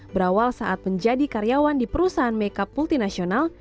berawal saat menjadi karyawan di perusahaan makeup multinasional